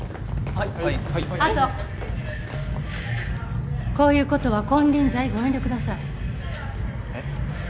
はいあとこういうことは金輪際ご遠慮くださいえっ？